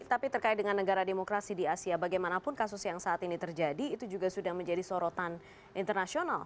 tapi terkait dengan negara demokrasi di asia bagaimanapun kasus yang saat ini terjadi itu juga sudah menjadi sorotan internasional